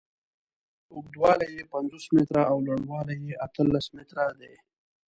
اوږدوالی یې پنځوس متره او لوړوالی یې اتلس متره دی.